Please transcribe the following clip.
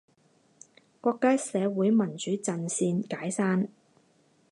国家社会民主阵线解散。